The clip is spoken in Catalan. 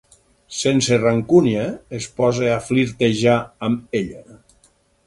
Sense rancúnia, es posa a flirtejar amb ella.